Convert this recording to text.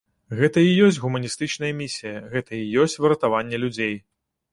Гэта і ёсць гуманістычная місія, гэта і ёсць выратаванне людзей.